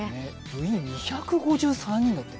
部員２５３人だって。